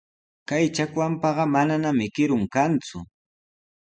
Kay chakwanpaqa mananami kirun kanku.